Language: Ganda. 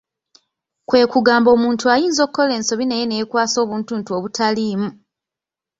Kwe kugamba omuntu ayinza okukola ensobi naye neyeekwasa obuntuntu obutaliimu !